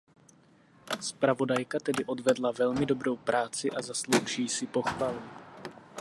Zpravodajka tedy odvedla velmi dobrou práci a zaslouží si pochvalu.